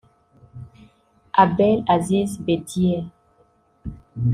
Abel Aziz Bedier